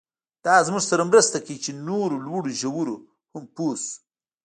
دا زموږ سره مرسته کوي چې نورو لوړو ژورو هم پوه شو.